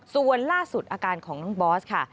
ส่วนล่าสุดอาการของน้องบอสค่ะ